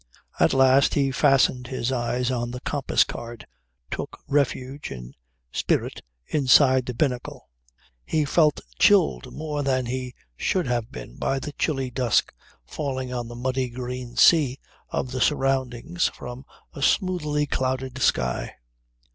At last he fastened his eyes on the compass card, took refuge, in spirit, inside the binnacle. He felt chilled more than he should have been by the chilly dusk falling on the muddy green sea of the soundings from a smoothly clouded sky.